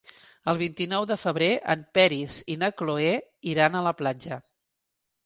El vint-i-nou de febrer en Peris i na Cloè iran a la platja.